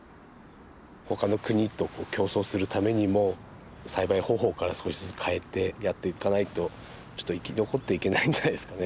ほかの国と競争するためにも栽培方法から少しずつ変えてやっていかないとちょっと生き残っていけないんじゃないですかね